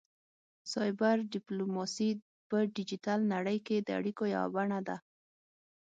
سایبر ډیپلوماسي په ډیجیټل نړۍ کې د اړیکو یوه بڼه ده